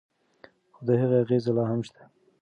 خو د هغې اغیزې لا هم شته.